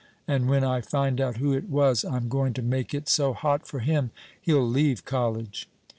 And when I find out who it was I'm going to make it so hot for him he'll leave college."